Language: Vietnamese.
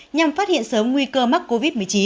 nhằm phát hiện sớm nguy cơ mắc covid một mươi chín